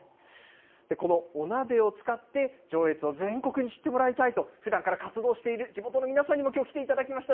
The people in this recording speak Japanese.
このお鍋を使って、上越を全国に知ってもらいたいとふだんから活動している地元の皆さんにもきょう来ていただきました。